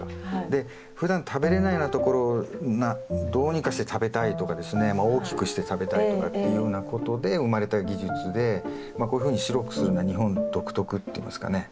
でふだん食べれないようなところをどうにかして食べたいとかですね大きくして食べたいとかっていうようなことで生まれた技術でこういうふうに白くするのは日本独特っていいますかね。